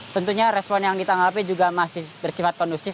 tentunya respon yang ditanggapi juga masih bersifat kondusif